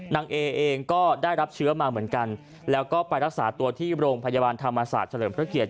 นางเอเองก็ได้รับเชื้อมาเหมือนกันแล้วก็ไปรักษาตัวที่โรงพยาบาลธรรมศาสตร์เฉลิมพระเกียรติ